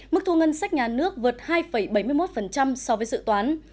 mức thu ngân sách nhà nước vượt hai bảy mươi một so với dự toán